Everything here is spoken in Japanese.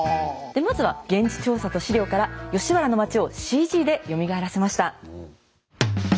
でまずは現地調査と史料から吉原の町をＣＧでよみがえらせました。